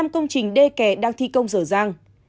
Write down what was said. một mươi năm công trình đê kè đang thi công rở ràng